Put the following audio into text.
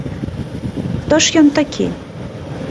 Хто ж ён такі?